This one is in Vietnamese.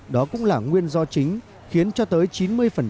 đó cũng là nguyên do chính khiến cho tới chín mươi người bệnh